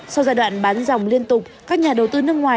sau giai đoạn bán dòng liên tục các nhà đầu tư nước ngoài